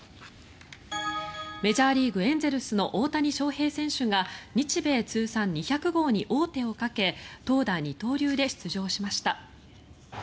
メジャーリーグエンゼルスの大谷翔平選手が日米通算２００号に王手をかけ投打二刀流で出場しました。